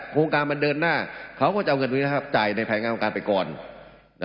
โครงการมันเดินหน้าเค้าก็จะเอาเงินมือนี้นะครับจ่ายในแผงงานองค์การไปก่อน